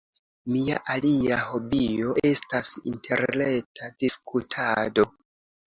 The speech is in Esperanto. Mia alia hobio estas interreta diskutado.